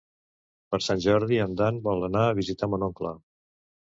Per Sant Jordi en Dan vol anar a visitar mon oncle.